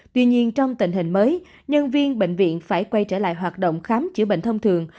tuy nhiên trong tình hình mới nhân viên bệnh viện phải quay trở lại hoạt động khám chữa bệnh thông thường